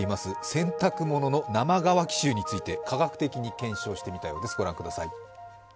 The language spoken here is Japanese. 洗濯物の生乾き臭について科学的に検証してみたようです、御覧ください。